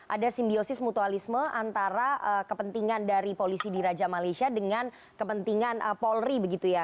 ada simbiosis mutualisme antara kepentingan dari polisi di raja malaysia dengan kepentingan polri begitu ya